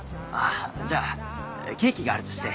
じゃあケーキがあるとして。